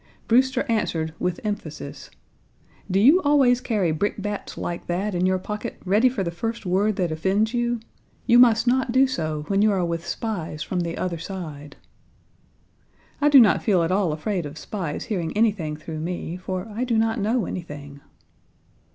Brewster answered with emphasis: "Do you always carry brickbats like that in your pocket ready for the first word that offends you? You must not do so, when you are with spies from the other side." I do not feel at all afraid of spies hearing anything through me, for I do not know anything.